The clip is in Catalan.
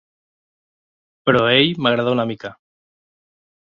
Però ell m'agrada una mica.